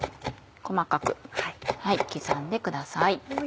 細かく刻んでください。